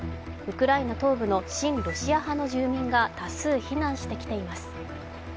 ウクライナ東部の親ロシア派の住民が多数避難してきています。